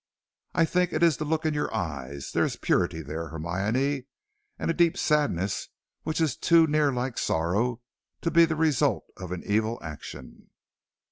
"I think it is the look in your eyes. There is purity there, Hermione, and a deep sadness which is too near like sorrow to be the result of an evil action."